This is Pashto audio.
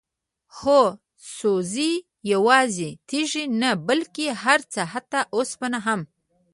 هو؛ سوزي، يوازي تيږي نه بلكي هرڅه، حتى اوسپنه هم